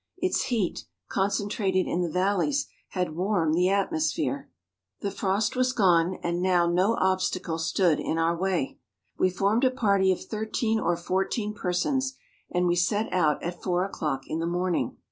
Its heat, concentrated in the valleys, had warmed the atmosphere; the frost was gone, and now no obstacle stood in our way. We formed a party of thirteen or fourteen per¬ sons, and we set out at four o'clock in the morning.